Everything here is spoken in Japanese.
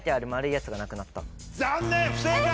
残念不正解！